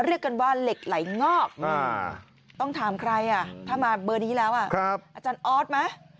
เรียกกันว่าเหล็กไหล่งอกอาจารย์ออสไหม